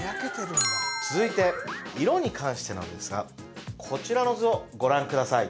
続いて色に関してなんですがこちらの図をご覧ください